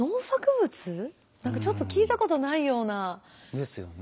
何かちょっと聞いたことないような。ですよね。